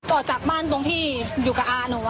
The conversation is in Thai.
ออกจากบ้านตรงที่อยู่กับอาหนู